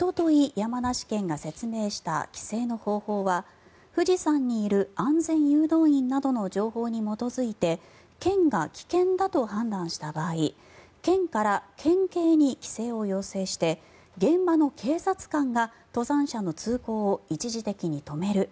山梨県が説明した規制の方法は富士山にいる安全誘導員の情報などに基づいて県が危険だと判断した場合県から県警に規制を要請して現場の警察官が登山者の通行を一時的に止める。